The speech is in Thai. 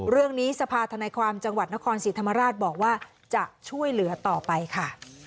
เรื่องนี้สภาธนาความจังหวัดนครศรีธรรมราชบอกว่าจะช่วยเหลือต่อไปค่ะ